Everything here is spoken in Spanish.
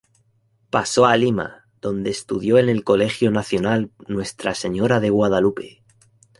Pasó a Lima, donde estudió en el Colegio Nacional Nuestra Señora de Guadalupe.